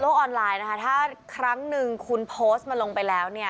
ออนไลน์นะคะถ้าครั้งหนึ่งคุณโพสต์มันลงไปแล้วเนี่ย